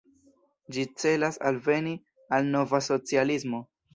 Ĝi celas alveni al nova socialismo.